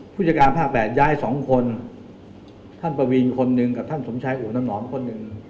ผู้พิชาการภาค๘ย้ายสองคนท่านประวีนคนหนึ่งกับท่านสมชายอุ๋มน้ำหนอมคนหนึ่ง